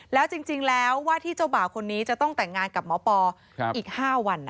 แล้วจริงแล้วว่าที่เจ้าบ่าวคนนี้จะต้องแต่งงานกับหมอปออีก๕วัน